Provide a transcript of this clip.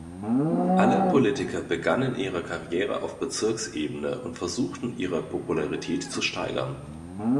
Alle Politiker begannen ihre Karriere auf Bezirksebene und versuchten ihre Popularität zu steigern.